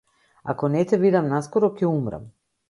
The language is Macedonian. Ако не те видам наскоро ќе умрам.